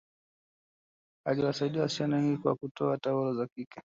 aliwasaidia wasichana wengi kwa kutoa taulo za kike